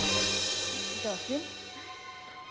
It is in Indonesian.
gak ada apa apa